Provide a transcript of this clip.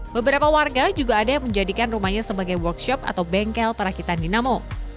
beberapa warga juga ada yang menjadikan rumahnya sebagai workshop atau bengkel perakitan dinamo